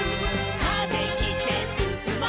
「風切ってすすもう」